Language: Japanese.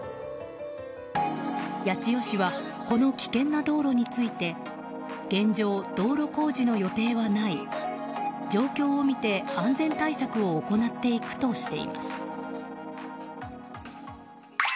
八千代市はこの危険な道路について現状、道路工事の予定はない状況を見て安全対策を行っていくとしています。